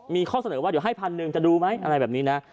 มีข้อเสนอว่าให้๑๐๐๐จัดรูไหมอะไรแบบนี้นะ